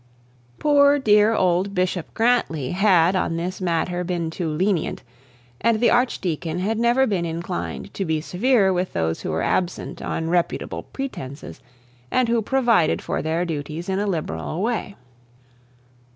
Poor dear old Bishop Grantly had on this matter been too lenient, and the archdeacon had never been inclined to be severe with those who were absent on reputable pretences, and who provided for their duties in a liberal way.